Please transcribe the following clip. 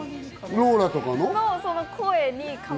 ローラとかの？